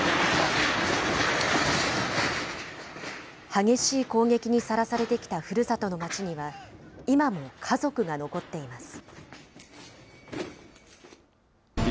激しい攻撃にさらされてきたふるさとの街には、今も家族が残っています。